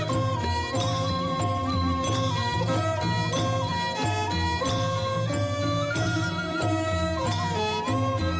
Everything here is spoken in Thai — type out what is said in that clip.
โอ้โหโอ้โหโอ้โห